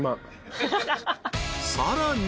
［さらに］